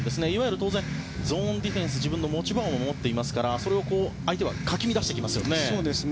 当然、ゾーンディフェンス自分の持ち場を守っていますから、それを相手はかき乱してきますよね。